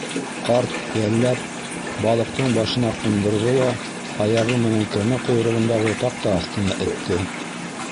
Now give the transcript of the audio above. Ҡарт, йәлләп, балыҡтың башына ҡундырҙы ла аяғы менән кәмә ҡойроғондағы таҡта аҫтына этте.